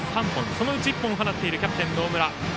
そのうちの１本を放っているキャプテンの大村。